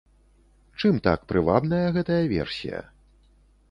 Чым так прывабная гэтая версія?